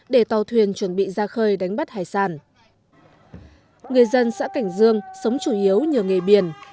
để tàu thuyền chuẩn bị ra khơi đánh bắt hải sản người dân xã cảnh dương sống chủ yếu nhờ nghề biển